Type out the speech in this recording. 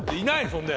そんで。